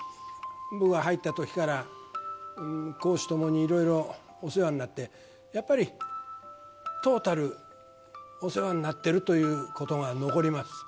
僕が入ったときから公私ともにいろいろお世話になって、やっぱりトータルお世話になってるということが残ります。